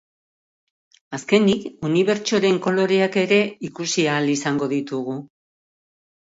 Azkenik, unibertsoren koloreak ere ikusi ahal izango ditugu.